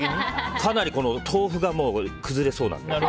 かなり豆腐が崩れそうなので。